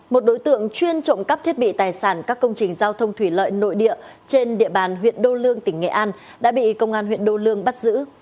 một đối tượng chuyên trộm cắp thiết bị tài sản các công trình giao thông thủy lợi nội địa trên địa bàn huyện đô lương tỉnh nghệ an đã bị công an huyện đô lương bắt giữ